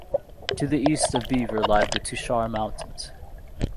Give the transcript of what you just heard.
To the east of Beaver lie the Tushar Mountains.